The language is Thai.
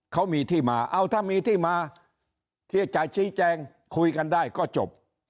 เขามีที่มาเอาถ้ามีที่มาที่จะชี้แจงคุยกันได้ก็จบ